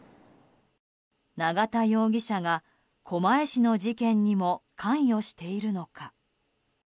永田容疑者が狛江市の事件にも関与しているのか。